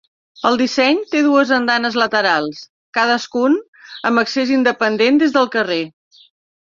El disseny té dues andanes laterals, cadascun amb accés independent des del carrer.